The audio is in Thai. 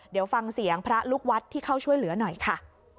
เดี๋ยวฟังเสียงพระลูกวัดที่เข้าช่วยเหลือหน่อยค่ะ